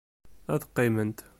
Ad qqiment.